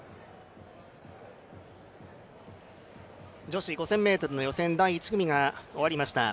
女子５０００ｍの予選第１組が終わりました。